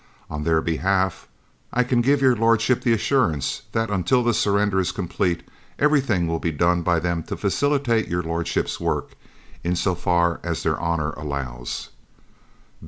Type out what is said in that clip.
On their behalf I can give Your Lordship the assurance, that until the surrender is complete, everything will be done by them to facilitate Your Lordship's work, in so far as their honour allows.